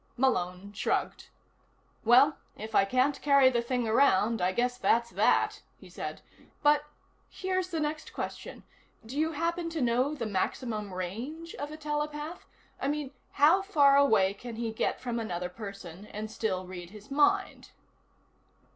Malone shrugged. "Well, if I can't carry the thing around, I guess that's that," he said. "But here's the next question: do you happen to know the maximum range of a telepath? I mean: how far away can he get from another person and still read his mind?"